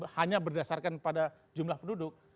hanya berdasarkan pada jumlah penduduk